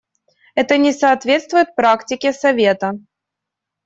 Это не соответствует практике Совета.